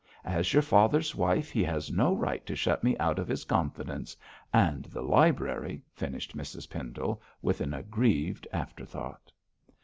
As your father's wife, he has no right to shut me out of his confidence and the library,' finished Mrs Pendle, with an aggrieved afterthought.